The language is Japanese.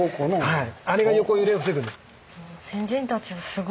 はい。